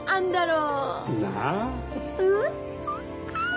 うん！